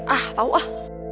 ah tau ah